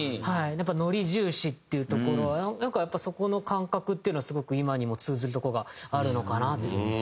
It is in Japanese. やっぱノリ重視っていうところなんかやっぱそこの感覚っていうのはすごく今にも通ずるとこがあるのかなって。